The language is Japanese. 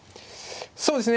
そうですね。